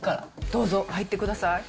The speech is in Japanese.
どうぞ、入ってください。